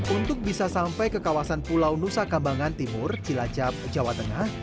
untuk bisa sampai ke kawasan pulau nusa kambangan timur cilacap jawa tengah